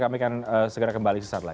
kami akan segera kembali sesaat lagi